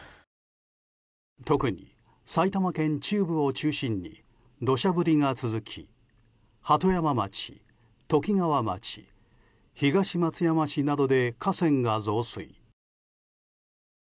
特に埼玉県中部を中心に土砂降りが続き鳩山町、ときがわ町東松山市などで河川が増水。